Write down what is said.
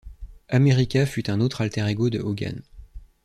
America fut un autre alter-ego de Hogan.